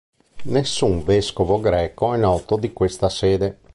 Nessun vescovo greco è noto di questa sede.